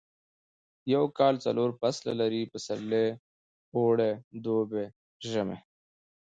یو کال څلور فصله لري پسرلی اوړی دوبی ژمی